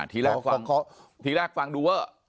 ทีแรกฟังดูเว้อ